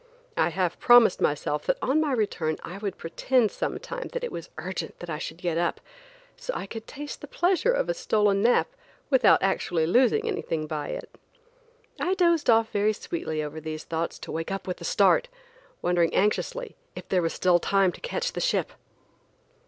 I half promised myself that on my return I would pretend sometime that it was urgent that I should get up so I could taste the pleasure of a stolen nap without actually losing anything by it. I dozed off very sweetly over these thoughts to wake with a start, wondering anxiously if there was still time to catch the ship.